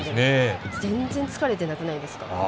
全然、疲れてなくないですか。